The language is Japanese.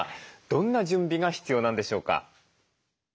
どんな準備が必要なんでしょうか？